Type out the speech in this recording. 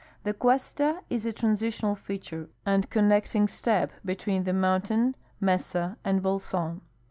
The cuesta is a transitional feature, and connecting step be tween the mountain, mesa, and bolson.